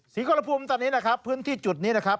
กรภูมิตอนนี้นะครับพื้นที่จุดนี้นะครับ